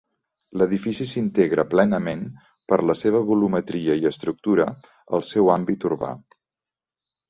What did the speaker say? L'edifici s'integra plenament, per la seva volumetria i estructura, al seu àmbit urbà.